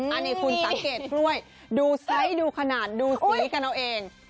อันนี้คุณสังเกตกล้วยดูไซส์ดูขนาดดูสีกันเอาเอง